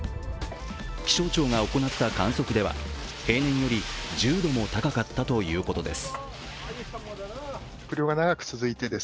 気象庁が行った観測では平年より１０度も高かったということです。